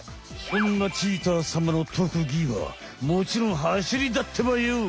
そんなチーターさまの特技はもちろん走りだってばよ！